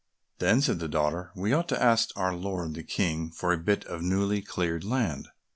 Then said the daughter, "We ought to ask our lord the King for a bit of newly cleared land."